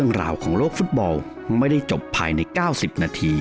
สวัสดีครับ